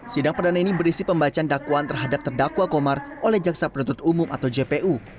sidang perdana ini berisi pembacaan dakwaan terhadap terdakwa komar oleh jaksa penuntut umum atau jpu